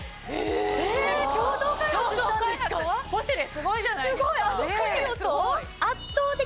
すごいじゃないですか。